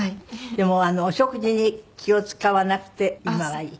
でもお食事に気を使わなくて今はいい？